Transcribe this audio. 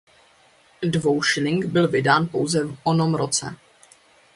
Dvoušilink byl vydán pouze v onom roce.